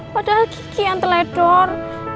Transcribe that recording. padahal kiki yang teledor